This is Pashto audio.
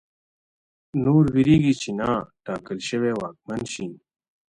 نور وېرېږي چې نا ټاکل شوی واکمن شي.